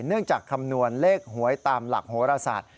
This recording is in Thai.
เนื่องจากคำนวณเลขหวยตามหลักโฮราศาสตร์